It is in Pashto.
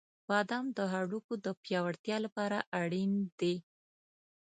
• بادام د هډوکو د پیاوړتیا لپاره اړین دي.